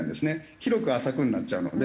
広く浅くになっちゃうので。